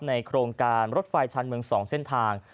ในโครงการรถไฟชั้นเมืองสองเส้นทาง